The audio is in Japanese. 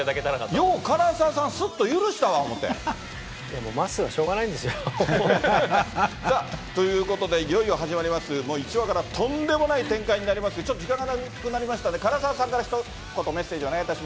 よう唐沢さん、ますはしょうがないんですよ。ということで、いよいよ始まります、１話からとんでもない展開になります、ちょっと時間がなくなりましたので、唐沢さんから、ひと言、メッセー